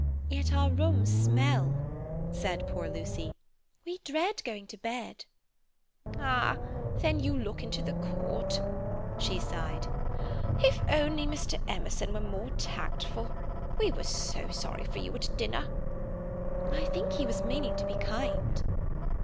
"Yet our rooms smell," said poor Lucy. "We dread going to bed." "Ah, then you look into the court." She sighed. "If only Mr. Emerson was more tactful! We were so sorry for you at dinner." "I think he was meaning to be kind."